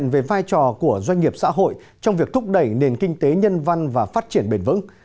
về vai trò của doanh nghiệp xã hội trong việc thúc đẩy nền kinh tế nhân văn và phát triển bền vững